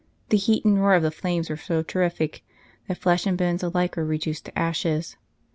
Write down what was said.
The heat and roar of the flames were so terrific that flesh and bones alike were reduced to ashes.